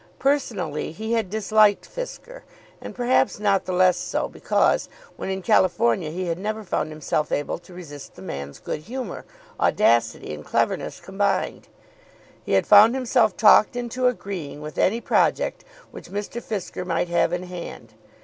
Personally he had disliked Fisker, and perhaps not the less so because when in California he had never found himself able to resist the man's good humour, audacity, and cleverness combined. He had found himself talked into agreeing with any project which Mr. Fisker might have in hand.